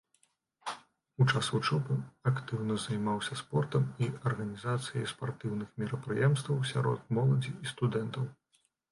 У час вучобы актыўна займаўся спортам і арганізацыяй спартыўных мерапрыемстваў сярод моладзі і студэнтаў.